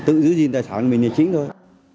tự giữ gìn tài sản mình là chính thôi